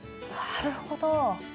なるほど！